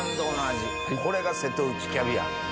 これが瀬戸内キャビア。